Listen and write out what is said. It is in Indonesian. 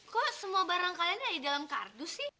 kok semua barang kalian ada di dalam kardus sih